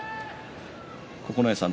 九重さん